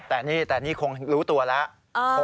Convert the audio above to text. แต่นี่คงรู้ตัวแล้ว